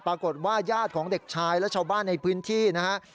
ญาติของเด็กชายและชาวบ้านในพื้นที่นะฮะ